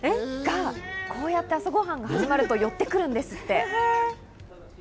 こうやって朝ご飯が始まると寄ってくるんですって。